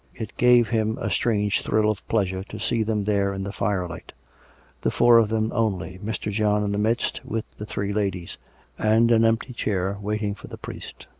It gave him a strange thrill of pleasure t'^ see them there in the firelight; the four of them only — Mr. John in the midst, with the three ladies ; and an empty chair waiting for the priest.